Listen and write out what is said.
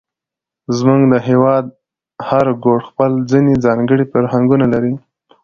زموږ د هېواد هر ګوټ خپل ځېنې ځانګړي فرهنګونه لري،